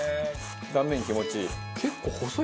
断面気持ちいい。